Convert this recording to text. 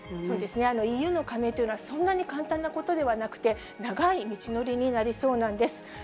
そうですね、ＥＵの加盟というのは、そんなに簡単なことではなくて、長い道のりになりそうなんです。